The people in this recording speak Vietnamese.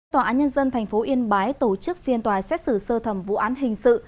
tòa án nhân dân tp yên bái tổ chức phiên tòa xét xử sơ thẩm vụ án hình sự